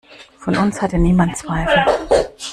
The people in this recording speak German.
Von uns hatte niemand Zweifel.